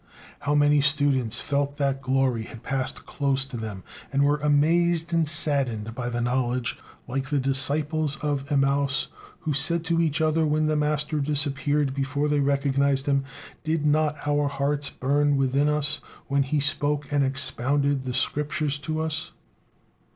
How many students felt that glory had passed close to them, and were amazed and saddened by the knowledge, like the disciples of Emmäus, who said to each other when the Master disappeared before they recognized Him: "Did not our hearts burn within us when He spoke and expounded the Scriptures to us?"